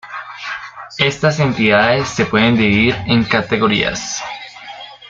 Estas entidades se pueden dividir en categorías.